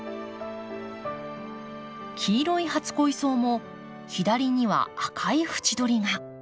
黄色い初恋草も左には赤い縁取りが。